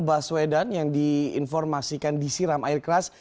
baswedan yang diinformasikan disiram air keras